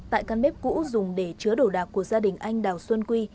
tại căn bếp cũ dùng để chứa đổ đạc của gia đình anh đào xuân quy